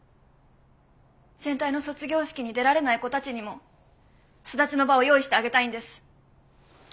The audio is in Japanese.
全体の卒業式に出られない子たちにも巣立ちの場を用意してあげたいんです。